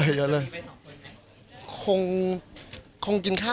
ประมาณ๒๓ปีครับ